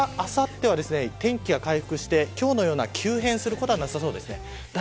西日本、あした、あさっては天気が回復して今日のような急変することはなさそうです。